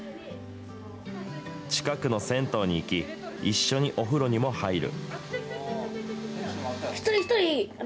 近くの銭湯に行き、一緒にお風呂にも入る。